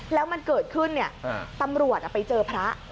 แล้วมันเกิดขึ้นตำรวจไปเจอพระ